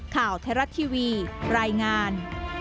ข่าวแทรศทีวีรายงาน